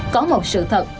có một sự thật